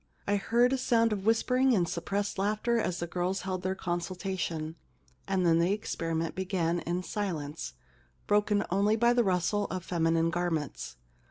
* I heard a sound of whispering and sup pressed laughter as the girls held their con sultation, and then the experiment began in silence, broken only by the rustle of feminine garments.